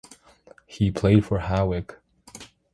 He played for Hawick.